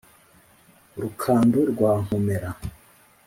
rukando rwa nkomera